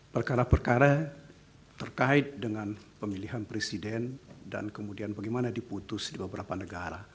perkara perkara terkait dengan pemilihan presiden dan kemudian bagaimana diputus di beberapa negara